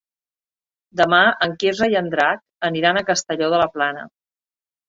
Demà en Quirze i en Drac aniran a Castelló de la Plana.